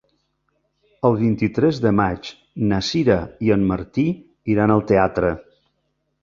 El vint-i-tres de maig na Sira i en Martí iran al teatre.